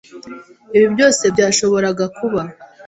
Ibi byose byashoboraga kuba,